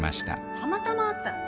たまたま会ったらね。